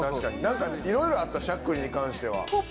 何かいろいろあったしゃっくりに関しては。